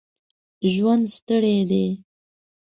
ژوند ستړی دی.